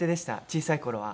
小さい頃は。